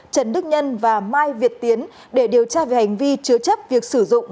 trần đức nhân và mai việt tiến để điều tra về hành vi chứa chấp việc sử dụng